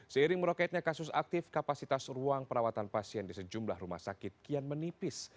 seiring meroketnya kasus aktif kapasitas ruang perawatan pasien di sejumlah rumah sakit kian menipis